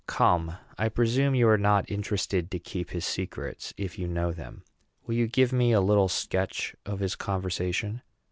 Come, I presume you are not interested to keep his secrets if you know them; will you give me a little sketch of his conversation?"